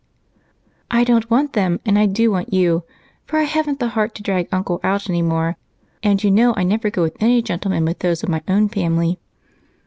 "I don't want them, and I do want you, for I haven't the heart to drag Uncle out anymore, and you know I never go with any gentleman but those of my own family."